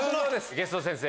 ゲスト先生